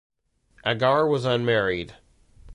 Agar was unmarried.